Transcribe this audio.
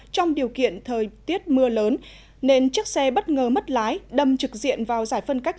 trong điều kiện thời tiết mưa lớn nên chiếc xe bất ngờ mất lái đâm trực diện vào giải phân cách